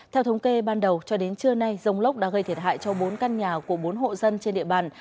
theo thống kê ban đầu cho đến trưa nay dông lốc đã gây thiệt hại cho bốn căn nhà của bốn hộ dân trên địa bàn